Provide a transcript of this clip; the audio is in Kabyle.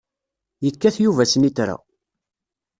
Yekkat Yuba snitra.